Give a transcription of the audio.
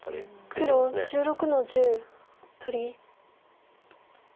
黒１６の十取り。